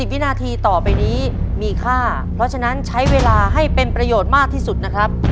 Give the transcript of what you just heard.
วินาทีต่อไปนี้มีค่าเพราะฉะนั้นใช้เวลาให้เป็นประโยชน์มากที่สุดนะครับ